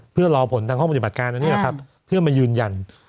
เพื่อรอผลทางห้องปฏิบัติการอันนี้แหละครับเพื่อมายืนยัน